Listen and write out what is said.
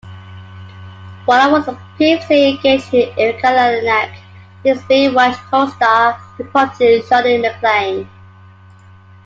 Warlock was previously engaged to Erika Eleniak, his "Baywatch" co-star who portrayed Shauni McClain.